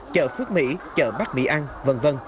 chợ phước mỹ chợ bắc mỹ an v v